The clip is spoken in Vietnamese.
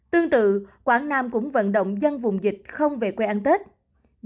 tương tự quảng nam cũng vận động về việc phòng chống dịch covid một mươi chín